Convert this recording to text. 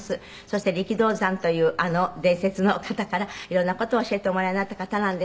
そして力道山というあの伝説の方から色んな事を教えておもらいになった方なんですけれども。